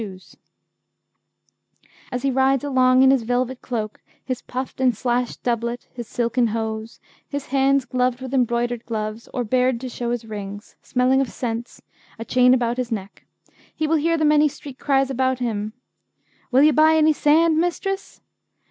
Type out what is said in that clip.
a variation of breeches}] As he rides along in his velvet cloak, his puffed and slashed doublet, his silken hose, his hands gloved with embroidered gloves, or bared to show his rings, smelling of scents, a chain about his neck, he will hear the many street cries about him: 'Will you buy any sand, mistress?'